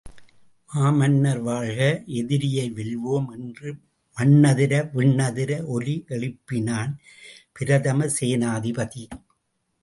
மாமன்னர் வாழ்க!... எதிரியை வெல்வோம்! என்று மண்ணதிர, விண்ணதிர ஒலி எழுப்பனான் பிரதமசேனாதிபதி.